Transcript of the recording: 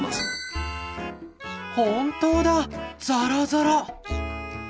本当だザラザラ。